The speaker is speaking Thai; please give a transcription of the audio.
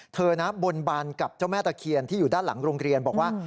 เธอนะบนบานกับเจ้าแม่ตะเคียนที่อยู่ด้านหลังโรงเรียนบอกว่า